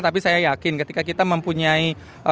tapi saya yakin ketika kita mempunyai